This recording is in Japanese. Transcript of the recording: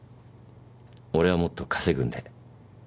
俺はもっと稼ぐんで。